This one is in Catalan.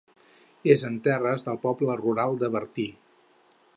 És en terres del poble rural de Bertí.